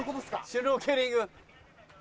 シュノーケリング。